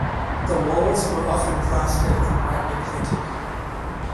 The walls were often plastered and brightly painted.